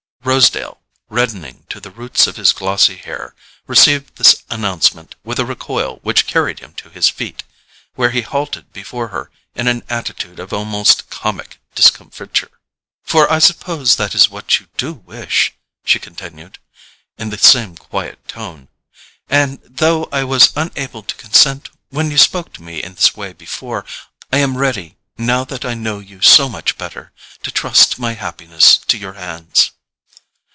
Rosedale, reddening to the roots of his glossy hair, received this announcement with a recoil which carried him to his feet, where he halted before her in an attitude of almost comic discomfiture. "For I suppose that is what you do wish," she continued, in the same quiet tone. "And, though I was unable to consent when you spoke to me in this way before, I am ready, now that I know you so much better, to trust my happiness to your hands."